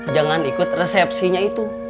jangan ikut resepsinya itu